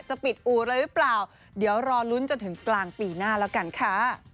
ปิดอู่เลยหรือเปล่าเดี๋ยวรอลุ้นจนถึงกลางปีหน้าแล้วกันค่ะ